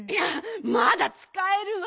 まだつかえるわ。